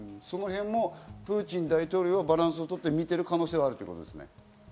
その辺もプーチン大統領はバランスを取って見てる可能性があるってことですね。